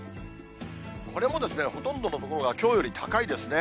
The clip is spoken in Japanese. これもほとんどの所がきょうより高いですね。